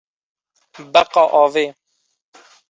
Beqa avê